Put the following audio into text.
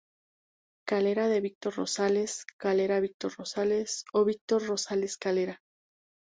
Calera de Víctor Rosales, Calera Víctor Rosales, o Víctor Rosales, Calera.